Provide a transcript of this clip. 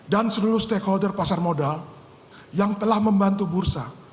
dan seluruh stakeholder pasar modal yang telah membantu bursa